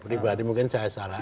pribadi mungkin saya salah